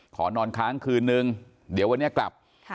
ขอนอนค้างคืนนึงเดี๋ยววันนี้กลับ